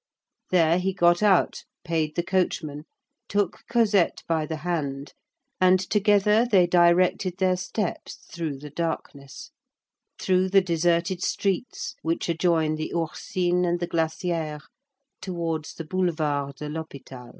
There he got out, paid the coachman, took Cosette by the hand, and together they directed their steps through the darkness,—through the deserted streets which adjoin the Ourcine and the Glacière, towards the Boulevard de l'Hôpital.